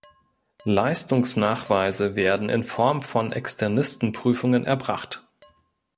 Leistungsnachweise werden in Form von Externisten-Prüfungen erbracht.